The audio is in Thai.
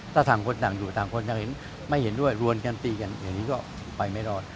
ถ้าต่างคนต่างอยู่ต่างคนจะเห็นไม่เห็นด้วยรวมกันตีกันอย่างนี้ก็ไปไม่รอด